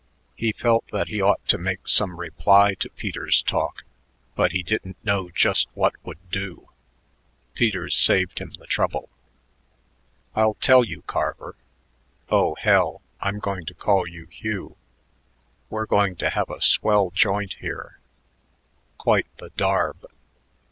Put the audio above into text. He felt that he ought to make some reply to Peters's talk, but he didn't know just what would do. Peters saved him the trouble. "I'll tell you, Carver oh, hell, I'm going to call you Hugh we're going to have a swell joint here. Quite the darb.